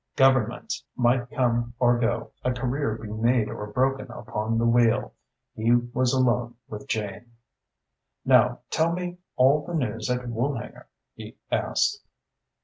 Governments might come or go, a career be made or broken upon the wheel. He was alone with Jane. "Now tell me all the news at Woolhanger?" he asked.